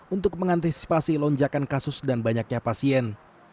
untuk mengantisipasi lonjakan kasus dan banyaknya pasien